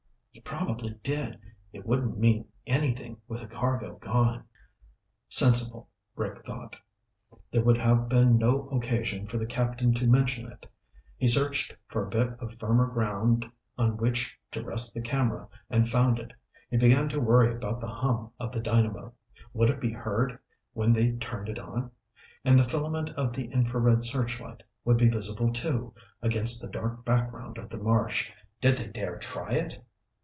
"He probably did. It wouldn't mean anything with the cargo gone." Sensible, Rick thought. There would have been no occasion for the captain to mention it. He searched for a bit of firmer ground on which to rest the camera and found it. He began to worry about the hum of the dynamo. Would it be heard when they turned it on? And the filament of the infrared searchlight would be visible, too, against the dark background of the marsh. Did they dare try it?